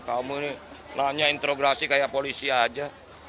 kamu ini nanya interograsi kayak polisi aja